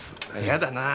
嫌だなぁ。